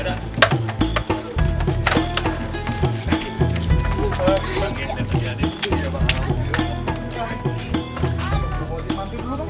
masa gak kelihatan